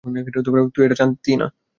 তুই এটা জানতি না।